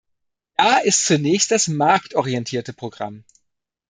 Da ist zunächst das marktorientierte Programm.